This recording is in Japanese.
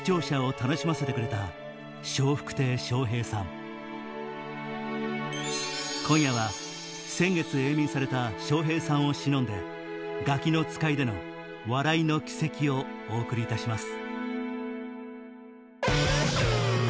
１９９６年の初登場から今夜は先月永眠された笑瓶さんをしのんで『ガキの使い』での笑いの軌跡をお送りいたします